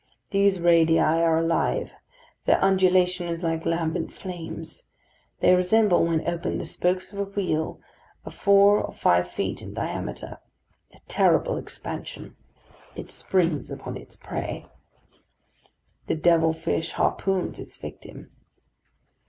These radii are alive: their undulation is like lambent flames; they resemble, when opened, the spokes of a wheel, of four or five feet in diameter. A terrible expansion! It springs upon its prey. The devil fish harpoons its victim.